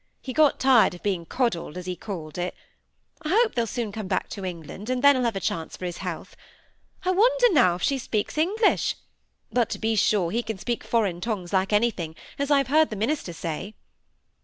He got tired of being coddled, as he called it. I hope they'll soon come back to England, and then he'll have a chance for his health. I wonder now, if she speaks English; but, to be sure, he can speak foreign tongues like anything, as I've heard the minister say."